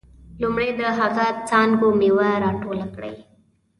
لومړی د هغه څانګو میوه راټوله کړئ.